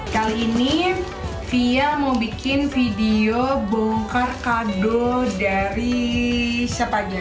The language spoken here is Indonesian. kali ini fia mau bikin video bongkar kado dari siapanya